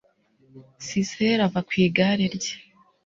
sisera ava ku igare rye